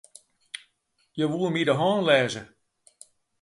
Hja woe my de hân lêze.